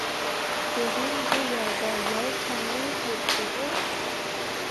بىزنىڭ بۇ يەردە يەر كەڭرى تۇرۇپتىغۇ...